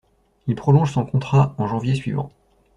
Il prolonge son contrat en janvier suivant.